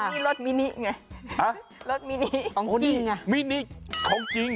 นี่รถมินิไงรถมินิของนี่ไงมินิของจริง